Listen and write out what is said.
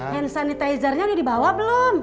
hand sanitizer nya udah dibawa belum